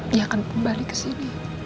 dia akan kembali ke sini